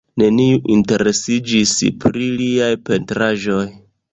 Neniu interesiĝis pri liaj pentraĵoj.